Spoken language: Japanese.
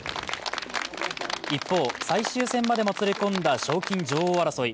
一方、最終戦までもつれ込んだ賞金女王争い。